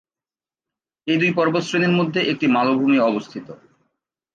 এই দুই পর্বতশ্রেণীর মধ্যে একটি মালভূমি অবস্থিত।